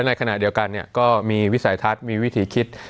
ในขณะเดียวกันก็มีวิสัยทัศน์มีวิถีคิด